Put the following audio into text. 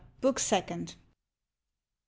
=BOOK SECOND= I.